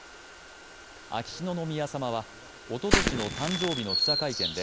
秋篠宮さまはおととしの誕生日の記者会見で